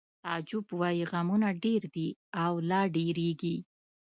تعجب وایی غمونه ډېر دي او لا ډېرېږي